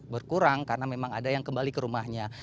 berkurang karena memang ada yang kembali ke rumahnya